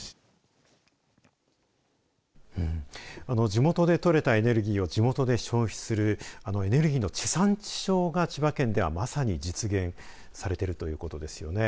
地元でとれたエネルギーを地元で消費するエネルギーの地産地消が千葉県ではまさに実現されているということですね。